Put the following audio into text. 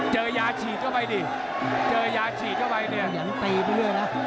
เจอยาฉีดเข้าไปดิเจอยาฉีดเข้าไปดิ